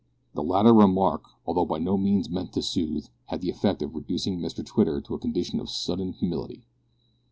This latter remark, although by no means meant to soothe, had the effect of reducing Mr Twitter to a condition of sudden humility.